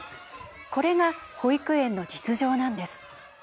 これが保育園の実情なんです。